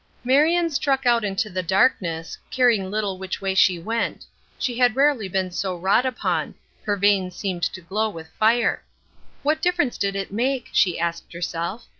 Marion struck out into the darkness, caring little which way she went; she had rarely been so wrought upon; her veins seemed to glow with fire. What difference did it make? she asked herself.